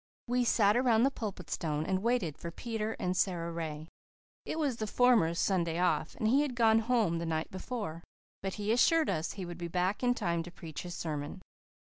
We sat around the Pulpit Stone and waited for Peter and Sara Ray. It was the former's Sunday off and he had gone home the night before, but he assured us he would be back in time to preach his sermon.